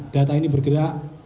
data ini bergerak